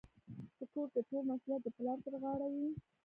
په کور کي ټول مسوليت د پلار پر غاړه وي.